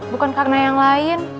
bukan karena yang lain